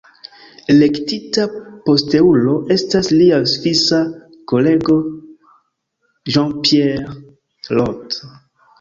Elektita posteulo estas lia svisa kolego Jean-Pierre Roth.